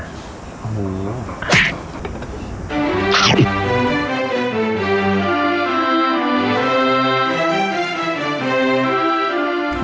โหว